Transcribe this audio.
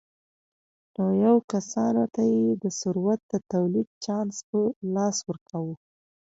نویو کسانو ته یې د ثروت د تولید چانس په لاس ورکاوه.